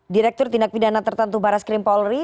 direktur tindak pidana tertentu baras krim polri